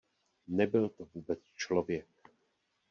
Nebyl to vůbec člověk.